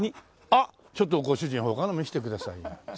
あっちょっとご主人他の見せてくださいよ。